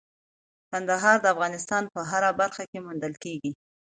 کندهار د افغانستان په هره برخه کې موندل کېږي.